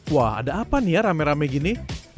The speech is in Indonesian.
wah ada apa nih ya rame rame gini